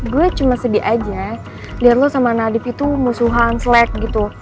gue cuma sedih aja lihat lo sama nadif itu musuhan slack gitu